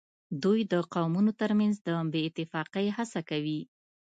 دوی د قومونو ترمنځ د بې اتفاقۍ هڅه کوي